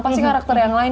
pasti karakter yang lain